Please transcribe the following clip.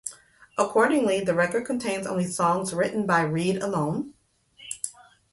Accordingly, the record contains only songs written by Reed alone.